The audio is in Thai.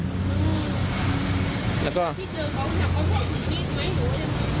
พี่เจอเขาอยู่ที่นี่ไหมหัวอยู่ที่นี่